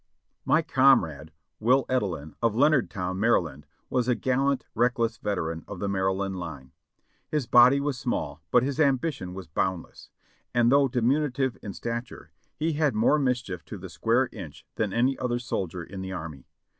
My comrade, Will Edelin, of Leonardtown, Maryland, was a gal lant, reckless veteran of the Maryland line. His body was small but his ambition was boundless; and though diminutive in stature, he had more mischief to the square, inch than any other soldier in the army.